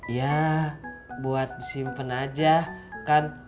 ya buat simpen aja kan